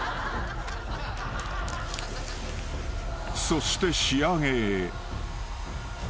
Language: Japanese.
［そして仕上げへ］